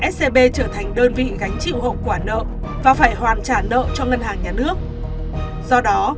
scb trở thành đơn vị gánh chịu hậu quả nợ và phải hoàn trả nợ cho ngân hàng nhà nước do đó